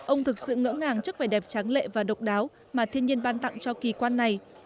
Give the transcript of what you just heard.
ông thực sự ngỡ ngàng trước vẻ đẹp tráng lệ và độc đáo mà thiên nhiên ban tặng cho kỳ quan này